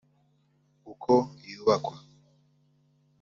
uko yubakwa